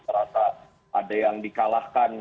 merasa ada yang dikalahkan